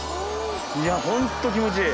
いやホント気持ちいい。